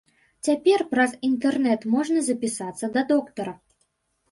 Цяпер праз інтэрнэт можна запісацца да доктара.